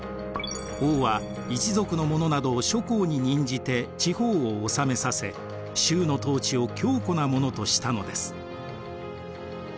王は一族の者などを諸侯に任じて地方を治めさせ周の統治を強固なものとしたのです。